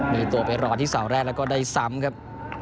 มีตัวไปรอที่เสาแรกแล้วก็ได้ซ้ำครับ